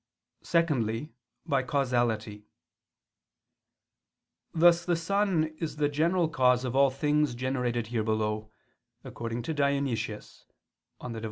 Secondly, by causality; thus the sun is the general cause of all things generated here below, according to Dionysius (Div.